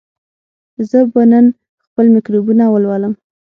زه به نن خپل مکتوبونه ولولم.